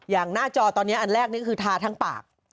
หน้าจอตอนนี้อันแรกนี่คือทาทั้งปาก